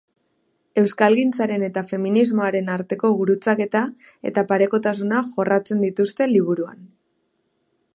Euskalgintzaren eta feminismoaren arteko gurutzaketa eta parekotasuna jorratzen dituzte liburuan.